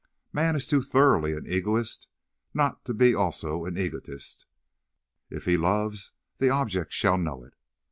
Man is too thoroughly an egoist not to be also an egotist; if he love, the object shall know it.